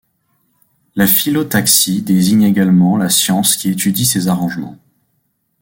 La phyllotaxie désigne également la science qui étudie ces arrangements.